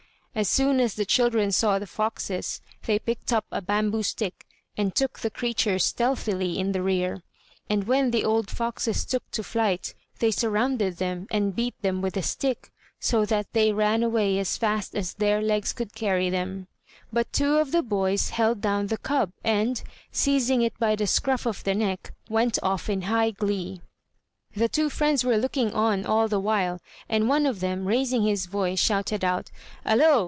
As soon as the children saw the foxes, they picked up a bamboo stick and took the creatures stealthily in the rear; and when the old foxes took to flight, they surrounded them and beat them with the stick, so that they ran away as fast as their legs could carry them; but two of the boys held down the cub, and, seizing it by the scruff of the neck, went off in high glee. The two friends were looking on all the while, and one of them, raising his voice, shouted out, "Hallo!